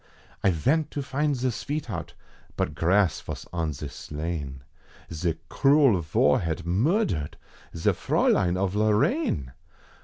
I vent to find ze sveetheart, but grass vos on ze slain, Ze cruel Var had murdered ze Fraulein of Lorraine!